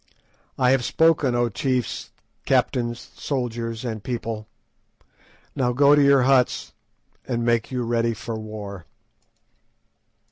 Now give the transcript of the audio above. I have spoken, O chiefs, captains, soldiers, and people. Now go to your huts and make you ready for war."